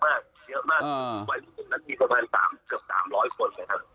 บ่ายลูกนั้นมีประมาณ๓๐๐ก่อนหนึ่ง